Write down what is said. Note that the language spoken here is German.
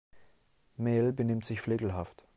Mel benimmt sich flegelhaft.